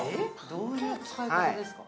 どういう使い方ですか？